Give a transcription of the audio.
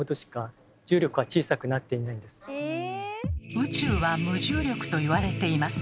宇宙は無重力と言われています。